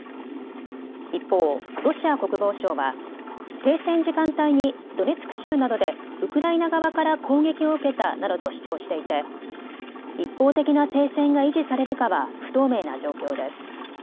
一方、ロシア国防省は停戦時間帯にドネツク州などでウクライナ側から攻撃を受けたなどと主張していて一方的な停戦が維持されるかは不透明な状況です。